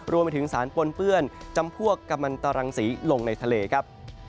รวมไปถึงสารปนเปื้อนจำพวกกำมันตรังสีลงในทะเลครับ